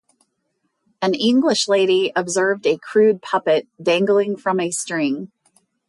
An English lady observed a crude puppet dangling from a string.